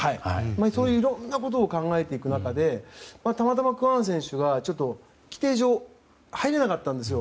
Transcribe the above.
そういういろんなことを考えていく中でたまたまクワン選手がちょっと、規定上入れなかったんですよ。